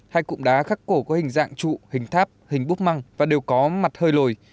hai cụm đá khắc cổ có hình dạng trụ hình tháp hình búp măng và đều có mặt hơi lồi